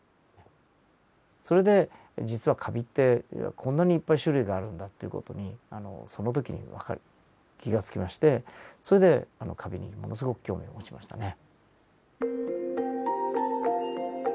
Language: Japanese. それで実はカビってこんなにいっぱい種類があるんだという事にその時に気が付きましてそれでカビにものすごく興味を持ちましたね。